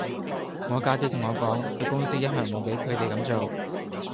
我家姐同我講，佢公司一向唔俾佢地咁做